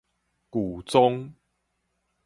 舊宗